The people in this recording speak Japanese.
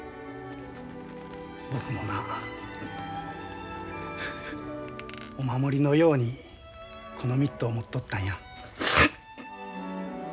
僕もなお守りのようにこのミットを持っとったんや。